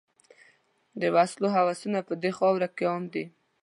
د وسلو هوسونه په دې خاوره کې عام دي.